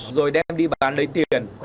rồi đem đi bán lấy tiền